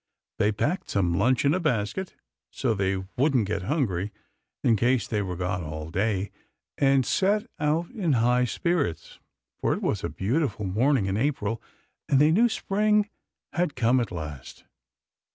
They packed some lunch in a basket, so they wouldn't get hungry, in case they were gone all day, and set out in high spirits; for it was a beautiful morning in April, and they knew Spring had come at last.